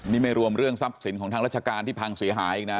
นี่ไม่รวมเรื่องทรัพย์สินของทางราชการที่พังเสียหายอีกนะ